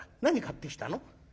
何買ってきたの？」。